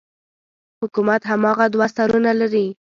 حکومت هماغه دوه سرونه لري.